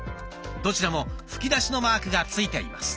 どちらも吹き出しのマークが付いています。